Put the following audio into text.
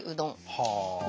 はあ。